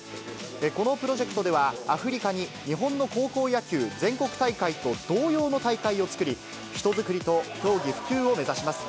このプロジェクトでは、アフリカに日本の高校野球全国大会と同様の大会を作り、人づくりと競技普及を目指します。